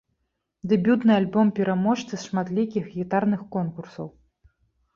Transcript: Дэбютны альбом пераможцы шматлікіх гітарных конкурсаў.